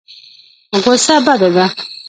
غوسه بده ده.